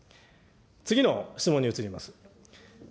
次の質問に移ります。